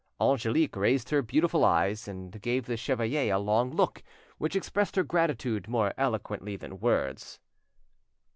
Angelique raised her beautiful eyes, and gave the chevalier a long look which expressed her gratitude more eloquently than words.